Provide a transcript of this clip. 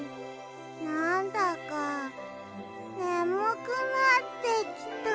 なんだかねむくなってきた。